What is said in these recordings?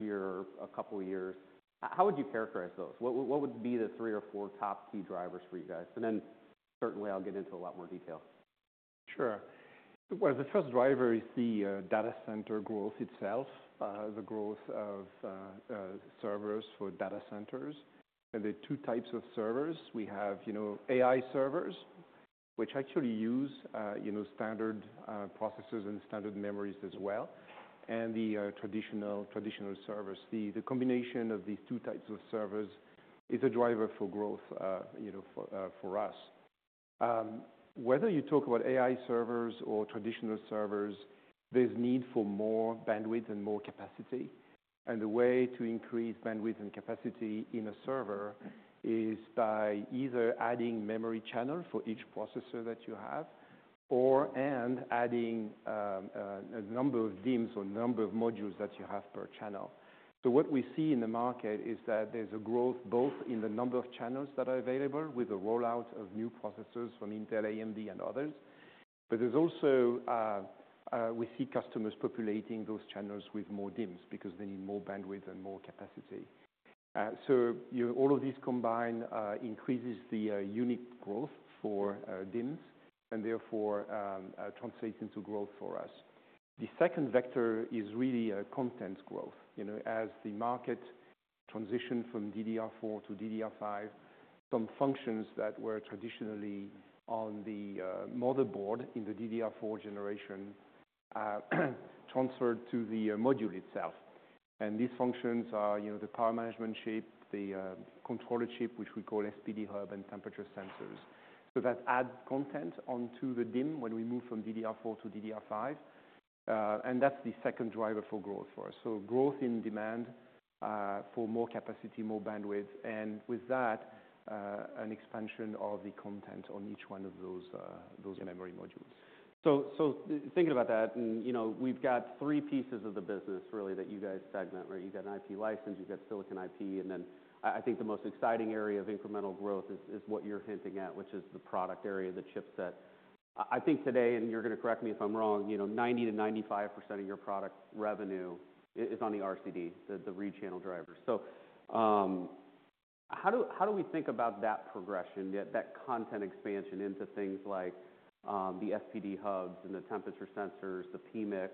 Year or a couple of years. How would you characterize those? What would be the three or four top key drivers for you guys? And then certainly I'll get into a lot more detail. Sure. Well, the first driver is the data center growth itself. The growth of servers for data centers. And there are two types of servers. We have you know AI servers which actually use you know standard processors and standard memories as well. And the traditional servers. The combination of these two types of servers is a driver for growth you know for us. Whether you talk about AI servers or traditional servers, there's need for more bandwidth and more capacity. And the way to increase bandwidth and capacity in a server is by either adding memory channel for each processor that you have or/and adding a number of DIMMs or number of modules that you have per channel. So what we see in the market is that there's a growth both in the number of channels that are available with the rollout of new processors from Intel, AMD, and others. But there's also we see customers populating those channels with more DIMMs because they need more bandwidth and more capacity. So you know all of these combined increases the unit growth for DIMMs and therefore translates into growth for us. The second vector is really content growth. You know as the market transitioned from DDR4 to DDR5, some functions that were traditionally on the motherboard in the DDR4 generation transferred to the module itself. And these functions are you know the power management chip, the controller chip, which we call SPD Hub, and temperature sensors. So that adds content onto the DIMM when we move from DDR4 to DDR5. And that's the second driver for growth for us. So, growth in demand for more capacity, more bandwidth, and with that, an expansion of the content on each one of those memory modules. So, thinking about that, and, you know, we've got three pieces of the business really that you guys segment, right? You've got an IP license, you've got silicon IP, and then I think the most exciting area of incremental growth is what you're hinting at, which is the product area, the chipset. I think today, and you're gonna correct me if I'm wrong, you know, 90%-95% of your product revenue is on the RCD, the register clock drivers. How do we think about that progression, that content expansion into things like the SPD hubs and the temperature sensors, the PMIC,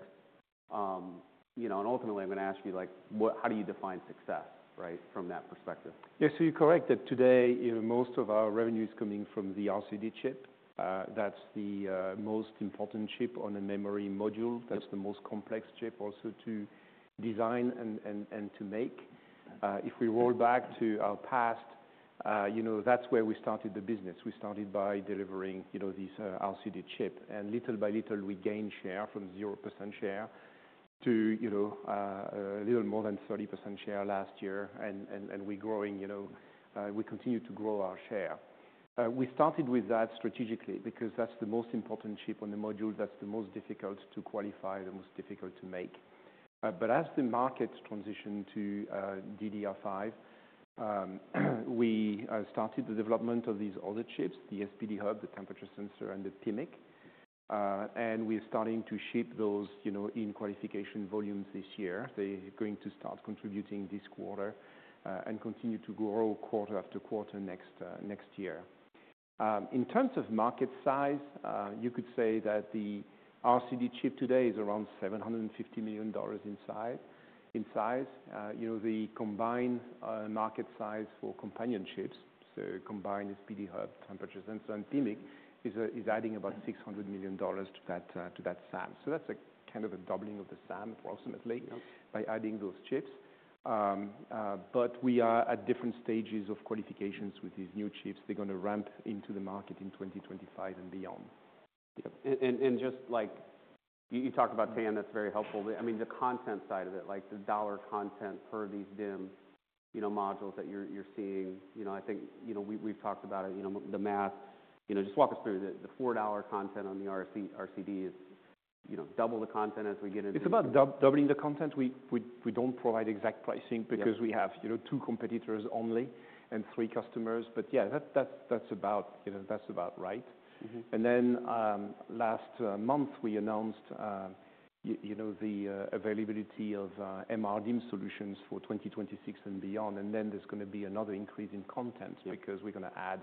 you know? Ultimately, I'm gonna ask you, like, what, how do you define success, right, from that perspective? Yeah. So you're correct that today, you know, most of our revenue is coming from the RCD chip. That's the most important chip on a memory module. Yep. That's the most complex chip also to design and to make. If we roll back to our past, you know, that's where we started the business. We started by delivering, you know, these RCD chip. And little by little, we gained share from 0% share to, you know, a little more than 30% share last year. And we're growing, you know, we continue to grow our share. We started with that strategically because that's the most important chip on the module. That's the most difficult to qualify, the most difficult to make. But as the market transitioned to DDR5, we started the development of these other chips, the SPD hub, the temperature sensor, and the PMIC. And we're starting to ship those, you know, in qualification volumes this year. They're going to start contributing this quarter, and continue to grow quarter after quarter next year. In terms of market size, you could say that the RCD chip today is around $750 million in size. You know, the combined market size for companion chips, so combined SPD hub, temperature sensor, and PMIC is adding about $600 million to that size. So that's a kind of a doubling of the size approximately. Yep. By adding those chips, but we are at different stages of qualifications with these new chips. They're gonna ramp into the market in 2025 and beyond. Yep. And just, like, you talked about TAM. That's very helpful. I mean, the content side of it, like the dollar content per these DIMM, you know, modules that you're seeing. You know, I think, you know, we've talked about it, you know, the math. You know, just walk us through the $4 content on the RCD is, you know, double the content as we get into. It's about doubling the content. We don't provide exact pricing because we have. Yep. You know, two competitors only and three customers. But yeah, that's about, you know, that's about right. Mm-hmm. And then last month we announced you know the availability of MRDIMM solutions for 2026 and beyond. And then there's gonna be another increase in content. Yep. Because we're gonna add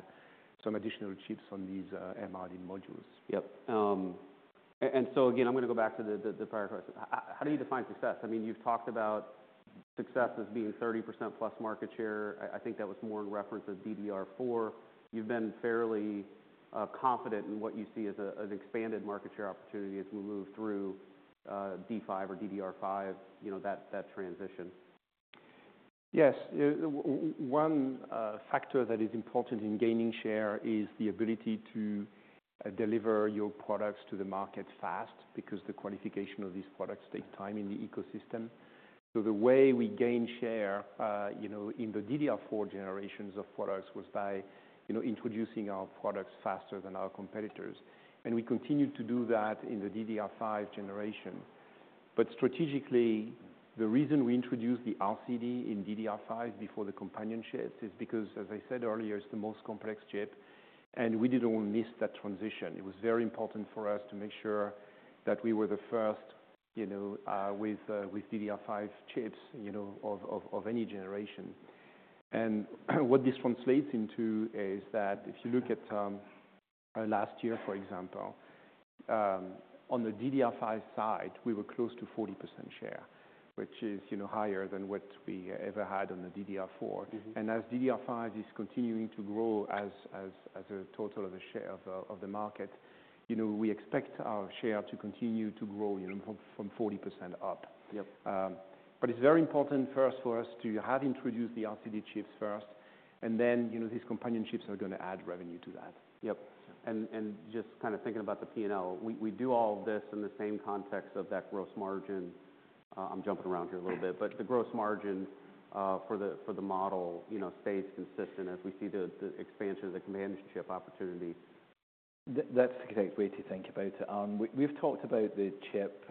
some additional chips on these, MRDIMM modules. Yep. And so again, I'm gonna go back to the prior question. How do you define success? I mean, you've talked about success as being 30% plus market share. I think that was more in reference of DDR4. You've been fairly confident in what you see as an expanded market share opportunity as we move through D5 or DDR5, you know, that transition. Yes. When a factor that is important in gaining share is the ability to deliver your products to the market fast because the qualification of these products takes time in the ecosystem. So the way we gain share, you know, in the DDR4 generations of products was by, you know, introducing our products faster than our competitors. And we continue to do that in the DDR5 generation. But strategically, the reason we introduced the RCD in DDR5 before the companion chips is because, as I said earlier, it's the most complex chip. And we didn't wanna miss that transition. It was very important for us to make sure that we were the first, you know, with DDR5 chips, you know, of any generation. What this translates into is that if you look at, last year, for example, on the DDR5 side, we were close to 40% share, which is, you know, higher than what we ever had on the DDR4. Mm-hmm. As DDR5 is continuing to grow as a total of the share of the market, you know, we expect our share to continue to grow, you know, from 40% up. Yep. But it's very important first for us to have introduced the RCD chips first, and then, you know, these companion chips are gonna add revenue to that. Yep. And just kinda thinking about the P&L, we do all of this in the same context of that gross margin. I'm jumping around here a little bit, but the gross margin, for the model, you know, stays consistent as we see the expansion of the companion opportunity. That's the way to think about it. We've talked about the chip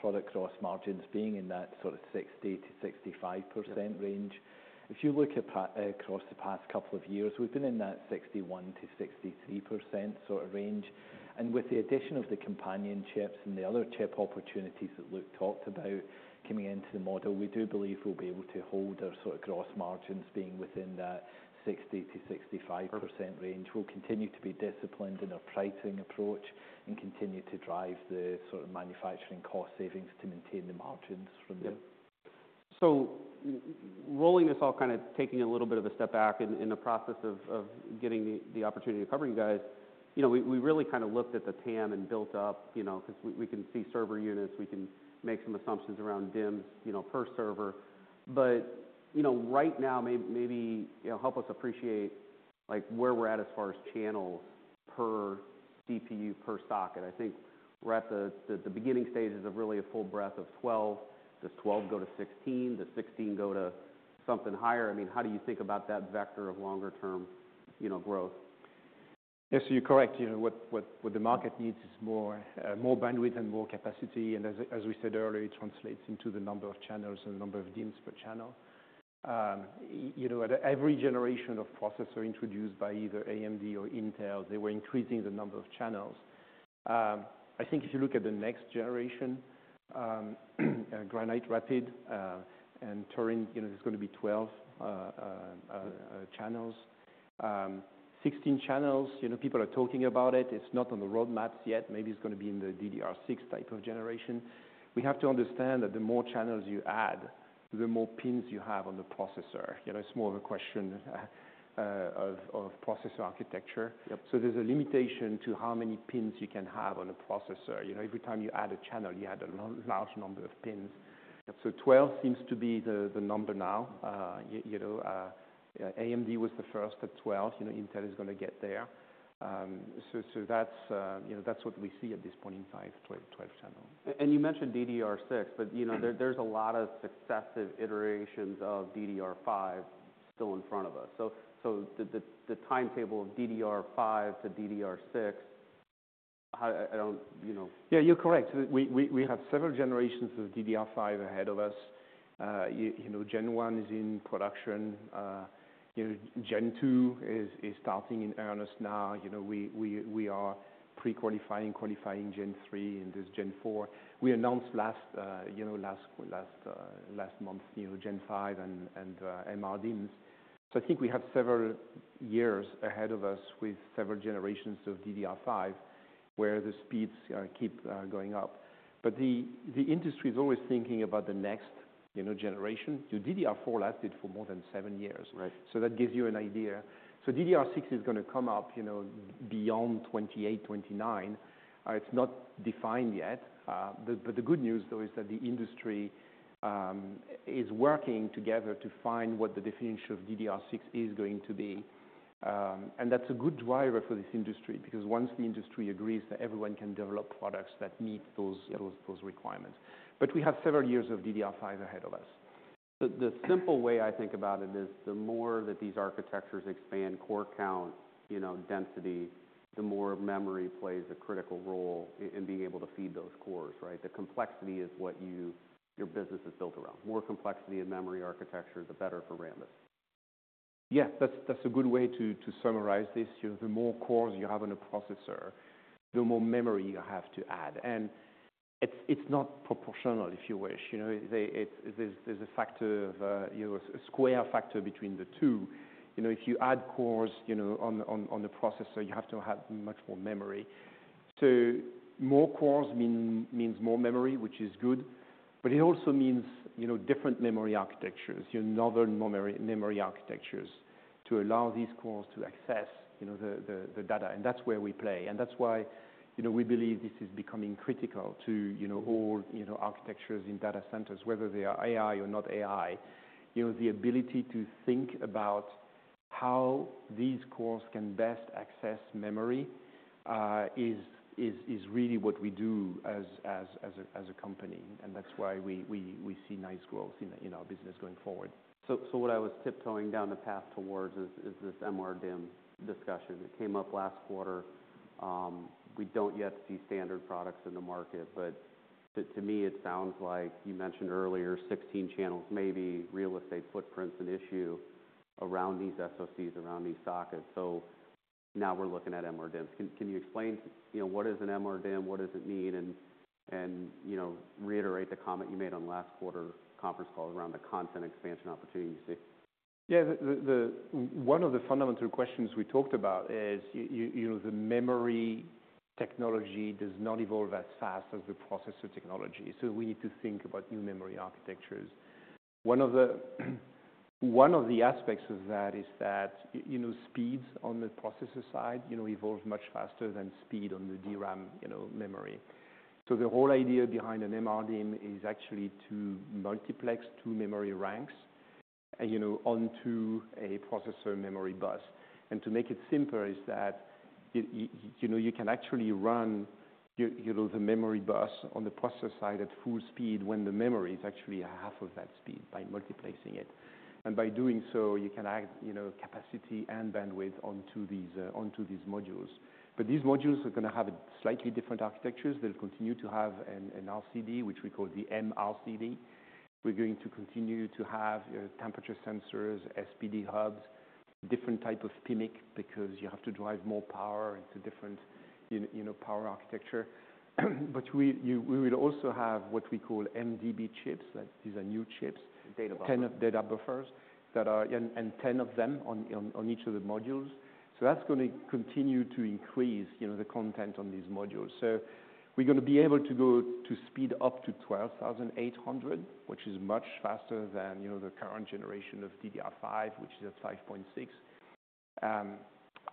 product gross margins being in that sort of 60%-65% range. If you look at the P&L across the past couple of years, we've been in that 61%-63% sort of range. And with the addition of the companion chips and the other chip opportunities that Luc talked about coming into the model, we do believe we'll be able to hold our sort of gross margins being within that 60%-65% range. We'll continue to be disciplined in our pricing approach and continue to drive the sort of manufacturing cost savings to maintain the margins from there. So rolling this all, kinda taking a little bit of a step back in the process of getting the opportunity to cover you guys, you know, we really kinda looked at the TAM and built up, you know, 'cause we can see server units. We can make some assumptions around DIMMs, you know, per server. But, you know, right now, maybe, you know, help us appreciate, like, where we're at as far as channels per CPU per socket. I think we're at the beginning stages of really a full breadth of 12. Does 12 go to 16? Does 16 go to something higher? I mean, how do you think about that vector of longer-term, you know, growth? Yeah. So you're correct. You know, what the market needs is more bandwidth and more capacity. And as we said earlier, it translates into the number of channels and the number of DIMMs per channel. You know, at every generation of processor introduced by either AMD or Intel, they were increasing the number of channels. I think if you look at the next generation, Granite Rapids, and Turin, you know, there's gonna be 12 channels. 16 channels, you know, people are talking about it. It's not on the roadmaps yet. Maybe it's gonna be in the DDR6 type of generation. We have to understand that the more channels you add, the more pins you have on the processor. You know, it's more of a question of processor architecture. Yep. There's a limitation to how many pins you can have on a processor. You know, every time you add a channel, you add a large number of pins. Yep. So, 12 seems to be the number now. You know, AMD was the first at 12. You know, Intel is gonna get there. So that's what we see at this point in time, 12, 12 channels. You mentioned DDR6, but you know, there's a lot of successive iterations of DDR5 still in front of us. So the timetable of DDR5 to DDR6, how I don't you know. Yeah. You're correct. We have several generations of DDR5 ahead of us. You know, Gen 1 is in production. You know, Gen 2 is starting in earnest now. You know, we are pre-qualifying, qualifying Gen 3, and there's Gen 4. We announced last month, you know, Gen 5 and MRDIMMs. So I think we have several years ahead of us with several generations of DDR5 where the speeds keep going up. But the industry is always thinking about the next, you know, generation. You know, DDR4 lasted for more than seven years. Right. So that gives you an idea. So DDR6 is gonna come up, you know, beyond 2028, 2029. It's not defined yet. But the good news, though, is that the industry is working together to find what the definition of DDR6 is going to be. And that's a good driver for this industry because once the industry agrees that everyone can develop products that meet those. Yep. Those requirements, but we have several years of DDR5 ahead of us. So the simple way I think about it is the more that these architectures expand, core count, you know, density, the more memory plays a critical role in being able to feed those cores, right? The complexity is what your business is built around. More complexity in memory architecture, the better for Rambus. Yeah. That's a good way to summarize this. You know, the more cores you have on a processor, the more memory you have to add. And it's not proportional, if you wish. You know, there's a factor of, you know, a square factor between the two. You know, if you add cores, you know, on the processor, you have to have much more memory. So more cores means more memory, which is good. But it also means, you know, different memory architectures, you know, novel memory architectures to allow these cores to access, you know, the data. And that's where we play. And that's why, you know, we believe this is becoming critical to, you know, all architectures in data centers, whether they are AI or not AI. You know, the ability to think about how these cores can best access memory is really what we do as a company. And that's why we see nice growth in our business going forward. So what I was tiptoeing down the path towards is this MRDIMM discussion. It came up last quarter. We don't yet see standard products in the market. But to me, it sounds like you mentioned earlier, 16 channels maybe, real estate footprint's an issue around these SoCs, around these sockets. So now we're looking at MRDIMMs. Can you explain, you know, what is an MRDIMM? What does it mean? And, you know, reiterate the comment you made on last quarter conference call around the content expansion opportunity you see. Yeah. One of the fundamental questions we talked about is, you know, the memory technology does not evolve as fast as the processor technology. So we need to think about new memory architectures. One of the aspects of that is that, you know, speeds on the processor side, you know, evolve much faster than speed on the DRAM, you know, memory. So the whole idea behind an MRDIMM is actually to multiplex two memory ranks, you know, onto a processor memory bus. And to make it simpler is that you know, you can actually run your, you know, the memory bus on the processor side at full speed when the memory is actually half of that speed by multiplexing it. And by doing so, you can add, you know, capacity and bandwidth onto these modules. But these modules are gonna have slightly different architectures. They'll continue to have an RCD, which we call the MRCD. We're going to continue to have temperature sensors, SPD hubs, different type of PMIC because you have to drive more power into different, you know, power architecture. But we will also have what we call MDB chips. These are new chips. Data buffers. 10 of data buffers that are, and 10 of them on each of the modules. So that's gonna continue to increase, you know, the content on these modules. So we're gonna be able to go to speed up to 12,800, which is much faster than, you know, the current generation of DDR5, which is at 5.6.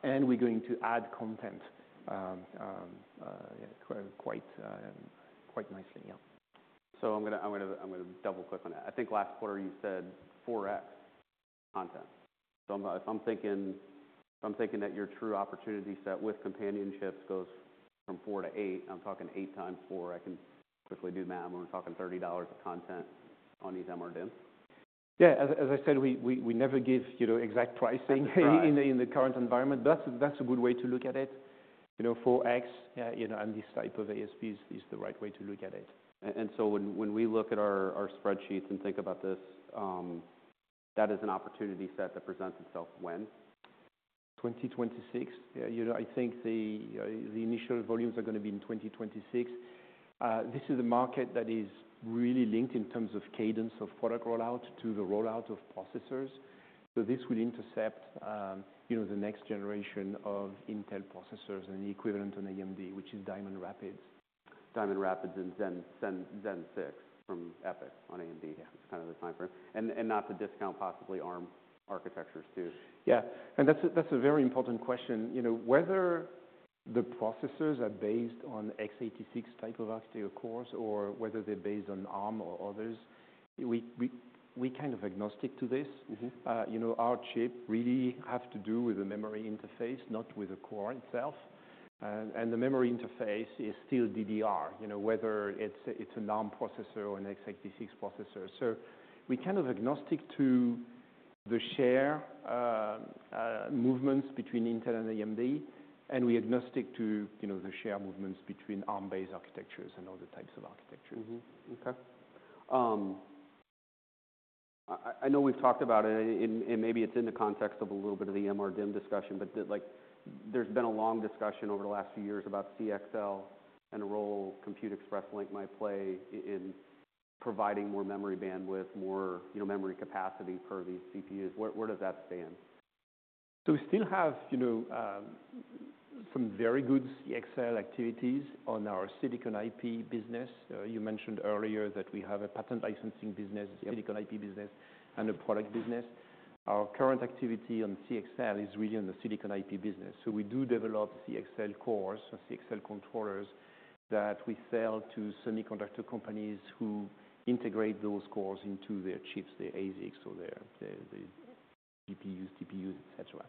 And we're going to add content, quite nicely. Yeah. I'm gonna double-click on that. I think last quarter you said 4x content. If I'm thinking that your true opportunity set with companion chips goes from 4 to 8, I'm talking 8 times 4. I can quickly do math. We're talking $30 of content on these MRDIMMs. Yeah. As I said, we never give, you know, exact pricing. Yeah. In the current environment, but that's a good way to look at it. You know, 4x, you know, and this type of ASPs is the right way to look at it. And so when we look at our spreadsheets and think about this, that is an opportunity set that presents itself when? 2026. You know, I think the initial volumes are gonna be in 2026. This is a market that is really linked in terms of cadence of product rollout to the rollout of processors. So this will intercept, you know, the next generation of Intel processors and the equivalent on AMD, which is Diamond Rapids. Diamond Rapids and Zen, Zen, Zen 6 from EPYC on AMD. Yeah. It's kind of the time frame. And not to discount possibly ARM architectures too. Yeah. And that's a very important question. You know, whether the processors are based on x86 type of architecture cores or whether they're based on ARM or others, we kind of agnostic to this. Mm-hmm. You know, our chip really has to do with the memory interface, not with the core itself. And, and the memory interface is still DDR, you know, whether it's a, it's an ARM processor or an x86 processor. So we kind of agnostic to the share, movements between Intel and AMD, and we agnostic to, you know, the share movements between ARM-based architectures and other types of architectures. Mm-hmm. Okay. I know we've talked about it, and maybe it's in the context of a little bit of the MRDIMM discussion, but like, there's been a long discussion over the last few years about CXL and the role Compute Express Link might play in providing more memory bandwidth, more, you know, memory capacity per these CPUs. Where does that stand? So we still have, you know, some very good CXL activities on our silicon IP business. You mentioned earlier that we have a patent licensing business. Yep. Silicon IP business and a product business. Our current activity on CXL is really on the silicon IP business. So we do develop CXL cores or CXL controllers that we sell to semiconductor companies who integrate those cores into their chips, their ASICs or their GPUs, TPUs, etc.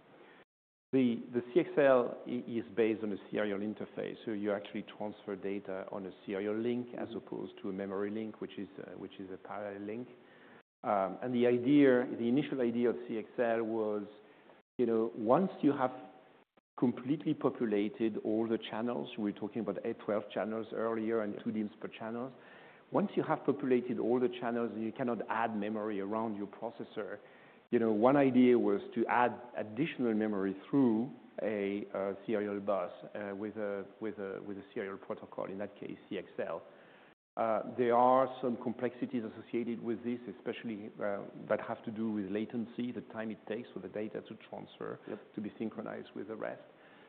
The CXL is based on a serial interface. So you actually transfer data on a serial link as opposed to a memory link, which is a parallel link, and the idea, the initial idea of CXL was, you know, once you have completely populated all the channels, we were talking about eight, 12 channels earlier and two DIMMs per channel. Once you have populated all the channels and you cannot add memory around your processor, you know, one idea was to add additional memory through a serial bus with a serial protocol, in that case, CXL. There are some complexities associated with this, especially, that have to do with latency, the time it takes for the data to transfer. Yep. To be synchronized with the rest.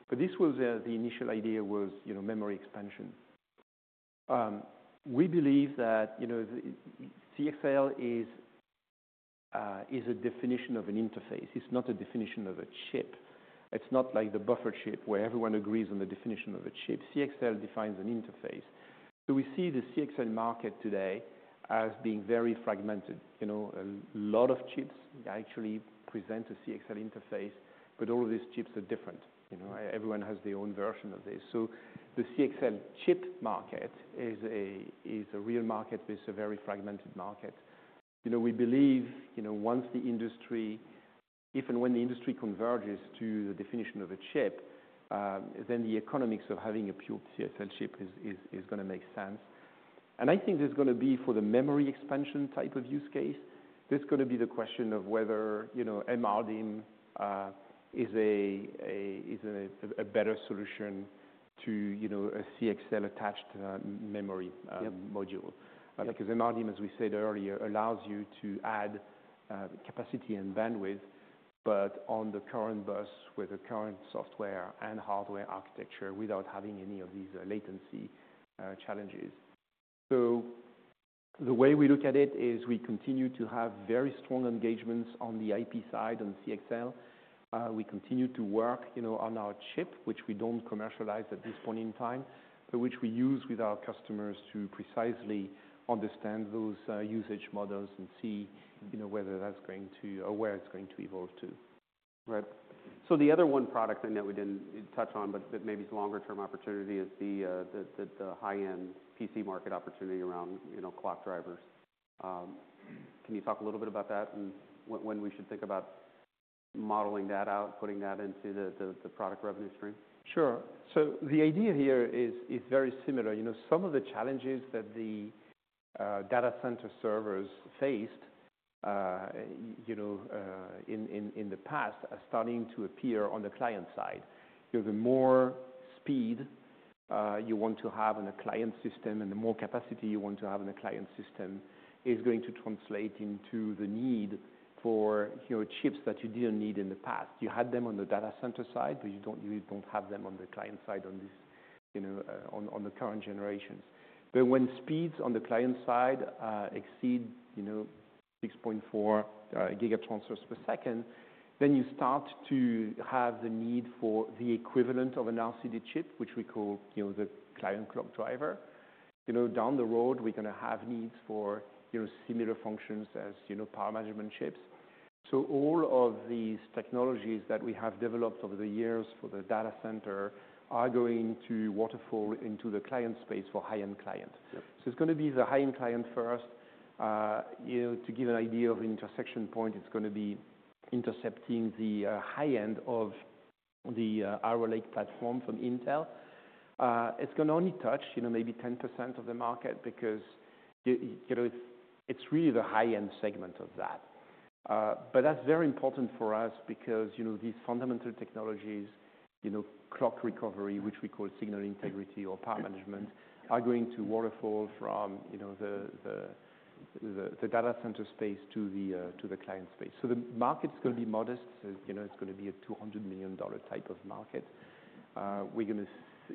But this was, the initial idea was, you know, memory expansion. We believe that, you know, CXL is a definition of an interface. It's not a definition of a chip. It's not like the buffer chip where everyone agrees on the definition of a chip. CXL defines an interface. So we see the CXL market today as being very fragmented. You know, a lot of chips actually present a CXL interface, but all of these chips are different. You know, everyone has their own version of this. So the CXL chip market is a real market, but it's a very fragmented market. You know, we believe, you know, once the industry, if and when the industry converges to the definition of a chip, then the economics of having a pure CXL chip is gonna make sense. I think there's gonna be for the memory expansion type of use case, there's gonna be the question of whether, you know, MRDIMM is a better solution to, you know, a CXL attached memory module. Yep. Because MRDIMM, as we said earlier, allows you to add capacity and bandwidth, but on the current bus with the current software and hardware architecture without having any of these latency challenges, so the way we look at it is we continue to have very strong engagements on the IP side on CXL. We continue to work, you know, on our chip, which we don't commercialize at this point in time, but which we use with our customers to precisely understand those usage models and see, you know, whether that's going to, or where it's going to evolve to. Right, so the other one product I know we didn't touch on, but maybe it's a longer-term opportunity is the high-end PC market opportunity around, you know, clock drivers. Can you talk a little bit about that and when we should think about modeling that out, putting that into the product revenue stream? Sure. So the idea here is very similar. You know, some of the challenges that the data center servers faced, you know, in the past are starting to appear on the client side. You know, the more speed you want to have on a client system and the more capacity you want to have on a client system is going to translate into the need for, you know, chips that you didn't need in the past. You had them on the data center side, but you don't have them on the client side on this, you know, on the current generations. But when speeds on the client side exceed, you know, 6.4 gigatransfers per second, then you start to have the need for the equivalent of an RCD chip, which we call, you know, the client clock driver. You know, down the road, we're gonna have needs for, you know, similar functions as, you know, power management chips. So all of these technologies that we have developed over the years for the data center are going to waterfall into the client space for high-end clients. Yep. So it's gonna be the high-end client first. You know, to give an idea of an intersection point, it's gonna be intercepting the high-end of the Arrow Lake platform from Intel. It's gonna only touch, you know, maybe 10% of the market because you know, it's really the high-end segment of that. But that's very important for us because, you know, these fundamental technologies, you know, clock recovery, which we call signal integrity or power management, are going to waterfall from, you know, the data center space to the client space. So the market's gonna be modest. So, you know, it's gonna be a $200 million type of market. We're gonna,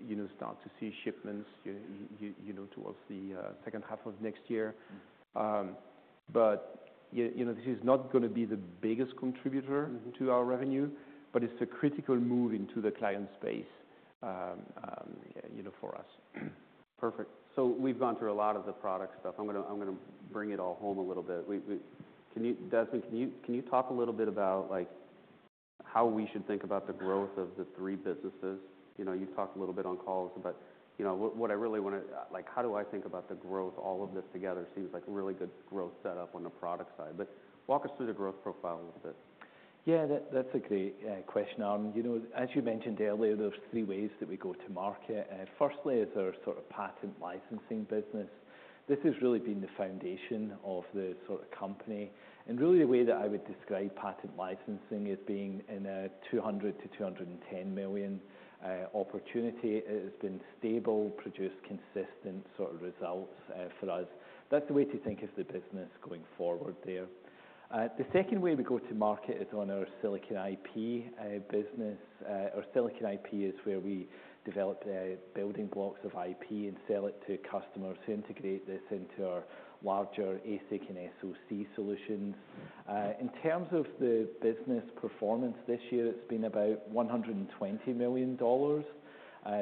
you know, start to see shipments, you know, towards the second half of next year. But, you know, this is not gonna be the biggest contributor. Mm-hmm. To our revenue, but it's a critical move into the client space, you know, for us. Perfect. So we've gone through a lot of the product stuff. I'm gonna bring it all home a little bit. Desmond, can you talk a little bit about, like, how we should think about the growth of the three businesses? You know, you've talked a little bit on calls, but, you know, what I really wanna, like, how do I think about the growth? All of this together seems like a really good growth setup on the product side. But walk us through the growth profile a little bit. Yeah. That's a great question. You know, as you mentioned earlier, there's three ways that we go to market. First is our sort of patent licensing business. This has really been the foundation of the sort of company, and really, the way that I would describe patent licensing as being in a $200 million-$210 million opportunity. It has been stable, produced consistent sort of results for us. That's the way to think of the business going forward there. The second way we go to market is on our silicon IP business. Our silicon IP is where we develop the building blocks of IP and sell it to customers who integrate this into their larger ASIC and SoC solutions. In terms of the business performance this year, it's been about $120 million.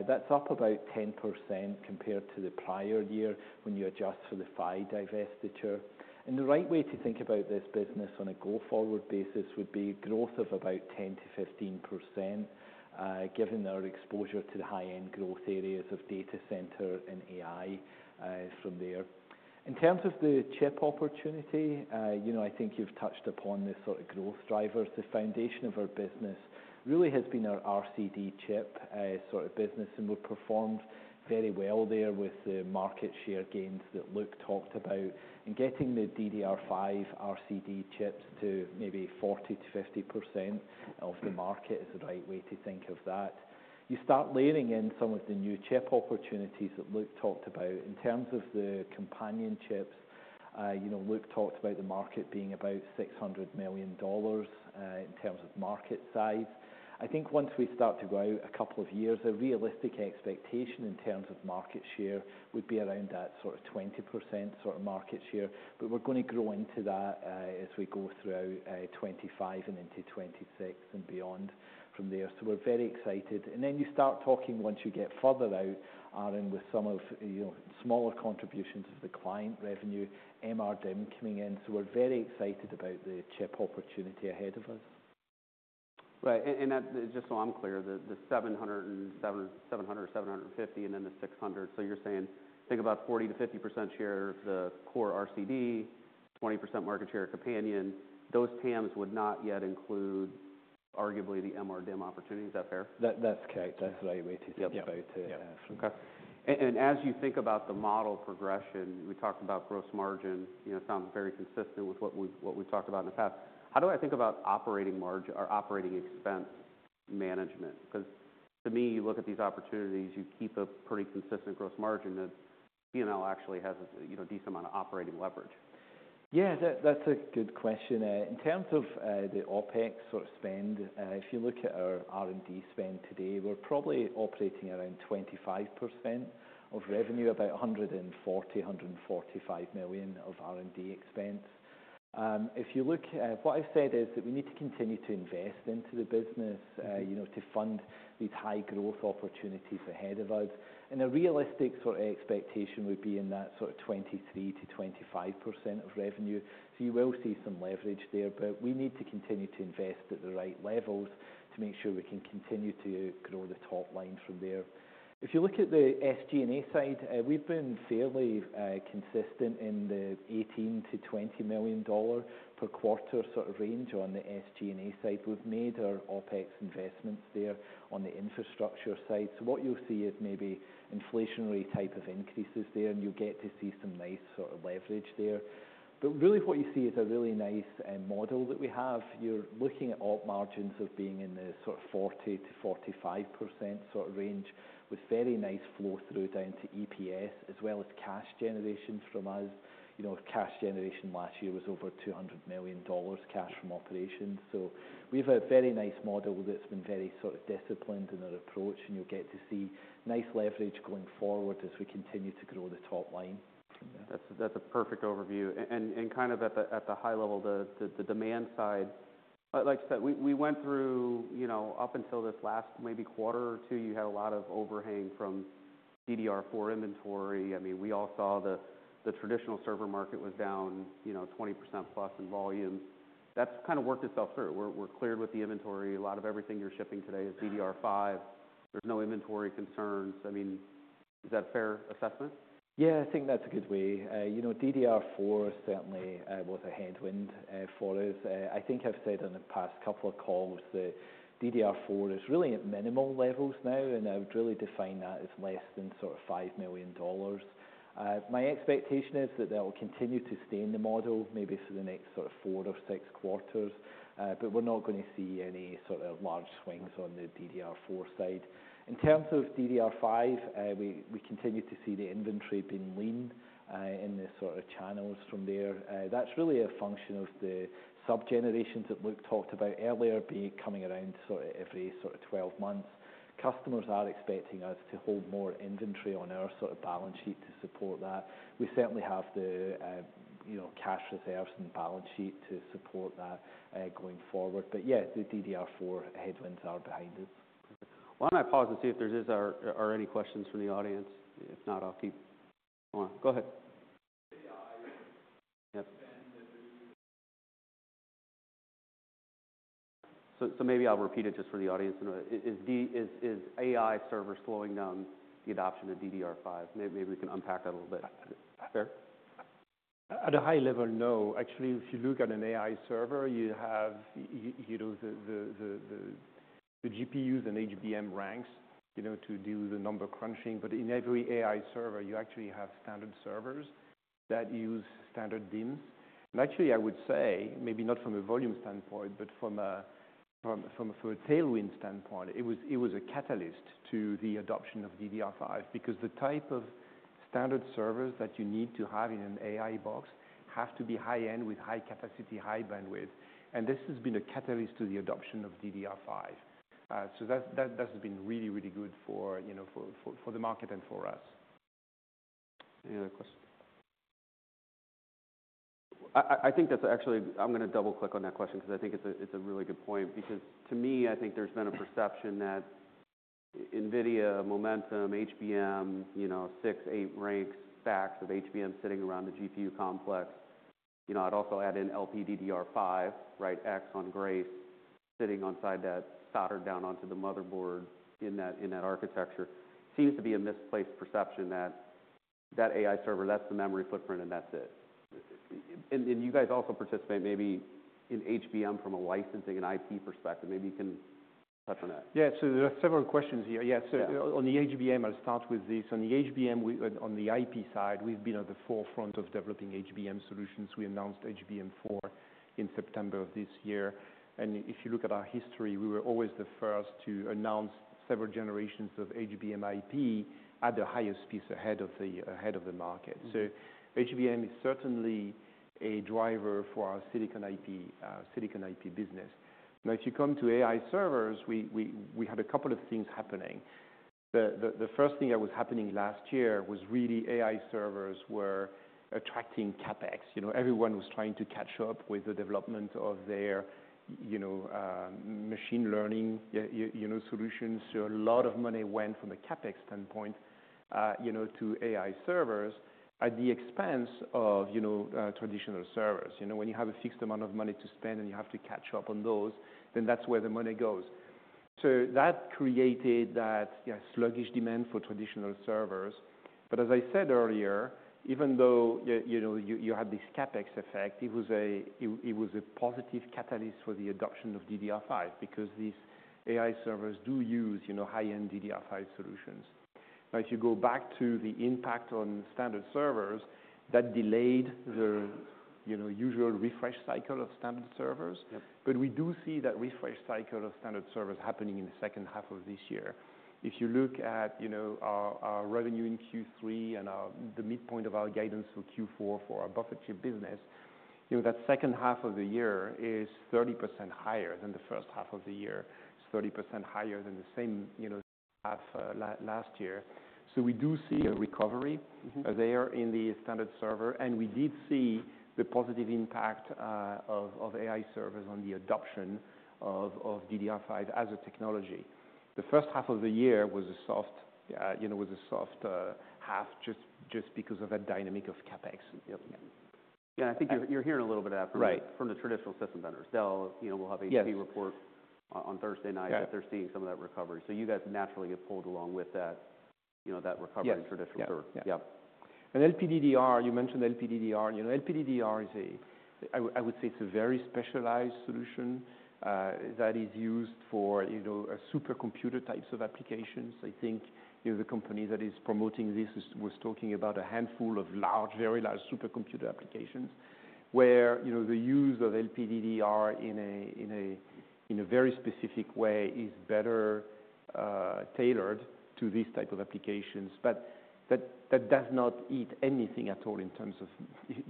That's up about 10% compared to the prior year when you adjust for the PHY divestiture. And the right way to think about this business on a go-forward basis would be growth of about 10%-15%, given our exposure to the high-end growth areas of data center and AI, from there. In terms of the chip opportunity, you know, I think you've touched upon this sort of growth drivers. The foundation of our business really has been our RCD chip, sort of business, and we've performed very well there with the market share gains that Luc talked about and getting the DDR5 RCD chips to maybe 40%-50% of the market is the right way to think of that. You start layering in some of the new chip opportunities that Luc talked about. In terms of the companion chips, you know, Luc talked about the market being about $600 million, in terms of market size. I think once we start to go out a couple of years, a realistic expectation in terms of market share would be around that sort of 20% sort of market share. But we're gonna grow into that, as we go throughout 2025 and into 2026 and beyond from there. So we're very excited, and then you start talking once you get further out, Aaron, with some of, you know, smaller contributions of the client revenue, MRDIMM coming in. So we're very excited about the chip opportunity ahead of us. Right. And that, just so I'm clear, the 700 and 750, and then the 600. So you're saying think about 40%-50% share of the core RCD, 20% market share companion. Those TAMs would not yet include arguably the MRDIMM opportunity. Is that fair? That's correct. That's the right way to think about it. Yep. Yeah. Okay. And as you think about the model progression, we talked about gross margin, you know, sounds very consistent with what we've talked about in the past. How do I think about operating margin or operating expense management? 'Cause to me, you look at these opportunities, you keep a pretty consistent gross margin, and Rambus actually has a, you know, decent amount of operating leverage. Yeah. That's a good question. In terms of the OpEx sort of spend, if you look at our R&D spend today, we're probably operating around 25% of revenue, about $140-$145 million of R&D expense. If you look, what I've said is that we need to continue to invest into the business, you know, to fund these high-growth opportunities ahead of us, and a realistic sort of expectation would be in that sort of 23%-25% of revenue, so you will see some leverage there, but we need to continue to invest at the right levels to make sure we can continue to grow the top line from there. If you look at the SG&A side, we've been fairly consistent in the $18-$20 million per quarter sort of range on the SG&A side. We've made our OpEx investments there on the infrastructure side. So what you'll see is maybe inflationary type of increases there, and you'll get to see some nice sort of leverage there. But really, what you see is a really nice model that we have. You're looking at op margins of being in the sort of 40%-45% sort of range with very nice flow through down to EPS as well as cash generation from us. You know, cash generation last year was over $200 million cash from operations. So we have a very nice model that's been very sort of disciplined in our approach, and you'll get to see nice leverage going forward as we continue to grow the top line. That's a perfect overview. And kind of at the high level, the demand side, like I said, we went through, you know, up until this last maybe quarter or two, you had a lot of overhang from DDR4 inventory. I mean, we all saw the traditional server market was down, you know, 20% plus in volume. That's kind of worked itself through. We're cleared with the inventory. A lot of everything you're shipping today is DDR5. There's no inventory concerns. I mean, is that a fair assessment? Yeah. I think that's a good way. You know, DDR4 certainly was a headwind for us. I think I've said on the past couple of calls that DDR4 is really at minimal levels now, and I would really define that as less than sort of $5 million. My expectation is that that will continue to stay in the model maybe for the next sort of four or six quarters. But we're not gonna see any sort of large swings on the DDR4 side. In terms of DDR5, we continue to see the inventory being lean in the sort of channels from there. That's really a function of the sub-generations that Luc talked about earlier being coming around sort of every sort of 12 months. Customers are expecting us to hold more inventory on our sort of balance sheet to support that. We certainly have the, you know, cash reserves and balance sheet to support that, going forward. But yeah, the DDR4 headwinds are behind us. Perfect. Why don't I pause and see if there's any questions from the audience? If not, I'll keep going on. Go ahead. Yep. So maybe I'll repeat it just for the audience. Is this, is AI servers slowing down the adoption of DDR5? Maybe we can unpack that a little bit. Fair? At a high level, no. Actually, if you look at an AI server, you have, you know, the GPUs and HBM ranks, you know, to do the number crunching. But in every AI server, you actually have standard servers that use standard DIMMs. And actually, I would say, maybe not from a volume standpoint, but from a tailwind standpoint, it was a catalyst to the adoption of DDR5 because the type of standard servers that you need to have in an AI box have to be high-end with high capacity, high bandwidth. And this has been a catalyst to the adoption of DDR5. So that, that's been really good for, you know, for the market and for us. Any other questions? I think that's actually. I'm gonna double-click on that question 'cause I think it's a really good point because to me, I think there's been a perception that NVIDIA momentum, HBM, you know, six, eight ranks, stacks of HBM sitting around the GPU complex. You know, I'd also add in LPDDR5, right? NVIDIA Grace sitting on side that's soldered down onto the motherboard in that architecture. Seems to be a misplaced perception that that AI server, that's the memory footprint, and that's it. And you guys also participate maybe in HBM from a licensing and IP perspective. Maybe you can touch on that. There are several questions here. Yeah. On the HBM, I'll start with this. On the HBM, we on the IP side, we've been at the forefront of developing HBM solutions. We announced HBM4 in September of this year and if you look at our history, we were always the first to announce several generations of HBM IP at the highest speeds ahead of the market so HBM is certainly a driver for our silicon IP business. Now, if you come to AI servers, we had a couple of things happening. The first thing that was happening last year was really AI servers were attracting CapEx. You know, everyone was trying to catch up with the development of their, you know, machine learning, you know, solutions. So a lot of money went from a CapEx standpoint, you know, to AI servers at the expense of, you know, traditional servers. You know, when you have a fixed amount of money to spend and you have to catch up on those, then that's where the money goes. So that created that, you know, sluggish demand for traditional servers. But as I said earlier, even though you know you had this CapEx effect, it was a positive catalyst for the adoption of DDR5 because these AI servers do use, you know, high-end DDR5 solutions. Now, if you go back to the impact on standard servers, that delayed the, you know, usual refresh cycle of standard servers. Yep. But we do see that refresh cycle of standard servers happening in the second half of this year. If you look at, you know, our revenue in Q3 and the midpoint of our guidance for Q4 for our buffer chip business, you know, that second half of the year is 30% higher than the first half of the year. It's 30% higher than the same, you know, half last year. So we do see a recovery. Mm-hmm. There in the standard server. We did see the positive impact of AI servers on the adoption of DDR5 as a technology. The first half of the year was a soft half, you know, just because of that dynamic of CapEx. Yeah, and I think you're hearing a little bit of that from. Right. From the traditional system vendors. They'll, you know, we'll have a report. Yeah. On Thursday night. Yeah. That they're seeing some of that recovery, so you guys naturally get pulled along with that, you know, that recovery in traditional servers. Right. Yeah. Yeah. LPDDR, you mentioned LPDDR. You know, LPDDR is a. I would say it's a very specialized solution that is used for, you know, supercomputer types of applications. I think, you know, the company that is promoting this was talking about a handful of large, very large supercomputer applications where, you know, the use of LPDDR in a very specific way is better tailored to these type of applications. But that does not eat anything at all in terms of,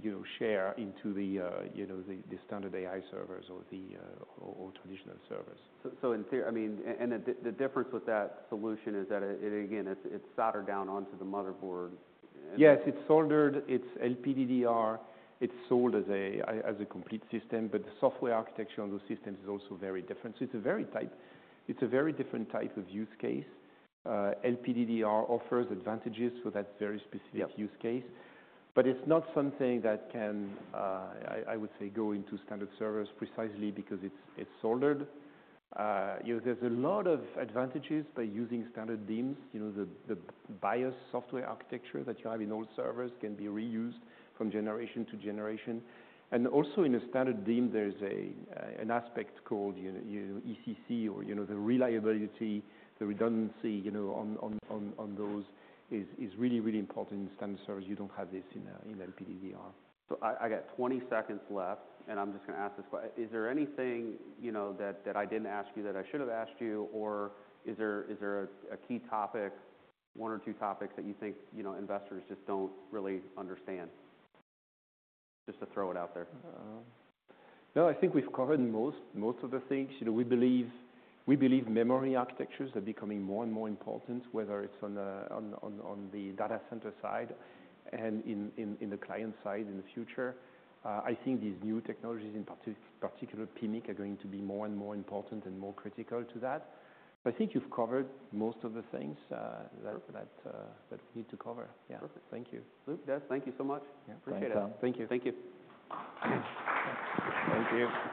you know, share into the, you know, the standard AI servers or traditional servers. So in theory, I mean, and the difference with that solution is that it again, it's soldered down onto the motherboard. Yes. It's soldered. It's LPDDR. It's sold as a complete system. But the software architecture on those systems is also very different. So it's a very different type of use case. LPDDR offers advantages for that very specific use case. Yep. But it's not something that can, I would say, go into standard servers precisely because it's soldered. You know, there's a lot of advantages by using standard DIMMs. You know, the BIOS software architecture that you have in old servers can be reused from generation to generation. And also in a standard DIMM, there's an aspect called, you know, ECC or, you know, the reliability, the redundancy, you know, on those is really important in standard servers. You don't have this in LPDDR. So I got 20 seconds left, and I'm just gonna ask this question. Is there anything, you know, that I didn't ask you that I should have asked you, or is there a key topic, one or two topics that you think, you know, investors just don't really understand? Just to throw it out there. No. I think we've covered most of the things. You know, we believe memory architectures are becoming more and more important, whether it's on the data center side and in the client side in the future. I think these new technologies, in particular, PMIC, are going to be more and more important and more critical to that. I think you've covered most of the things, that. Perfect. That we need to cover. Yeah. Perfect. Thank you. Luc, Des, thank you so much. Yeah. Appreciate it. No problem. Thank you. Thank you. Thank you.